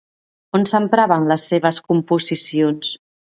On s'empraven les seves composicions?